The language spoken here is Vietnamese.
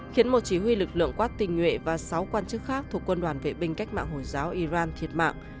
khiến một chỉ huy lực lượng quát tình nhuệ và sáu quan chức khác thuộc quân đoàn vệ binh cách mạng hồi giáo iran thiệt mạng